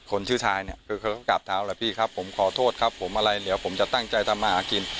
คนชื่อชายเนี่ยเค้ากลับเท้าแล้วพี่ครับผมขอโทษครับผมจะตั้งใจทำมาหากิน